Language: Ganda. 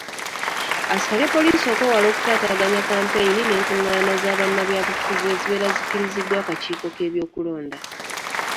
Asabye poliisi okwewala okutataaganya kkampeyini n’enkuŋŋaana za bannabyabufuzi ezibeera zikkiriziddwa akakiiko k’ebyokulonda